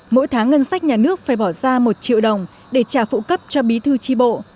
mỗi tháng ngân sách nhà nước phải bỏ ra một triệu đồng để trả phụ cấp cho bí thư tri bộ